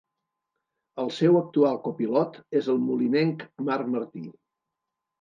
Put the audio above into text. El seu actual copilot és el molinenc Marc Martí.